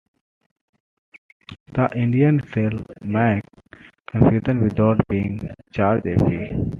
The Indian shall make confession without being charged a fee.